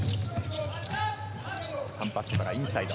カンパッソからインサイド。